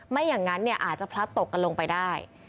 ไม่อย่างนั้นอาจจะพลัดตกกันลงไปได้